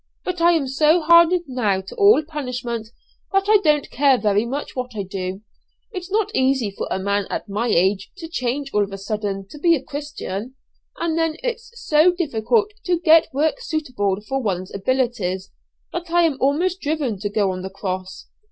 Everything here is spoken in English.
But I am so hardened now to all punishment that I don't care very much what I do. It's not easy for a man at my age to change all of a sudden to be a Christian, and then it's so difficult to get work suitable for one's abilities, that I am almost driven to go on the cross.